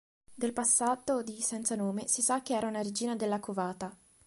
Del passato di Senza-Nome si sa che era una regina della Covata.